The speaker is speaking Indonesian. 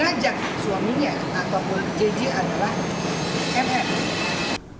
kemudian yang aktif mengajak suaminya atau jg adalah nunung